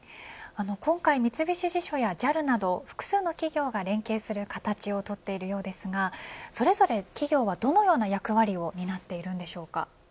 今回、三菱地所やＪＡＬなど複数の企業が連携する形をとっているようですがそれぞれ企業はどのような役割を担っているんでしょうか。